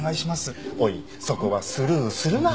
おいそこはスルーするな。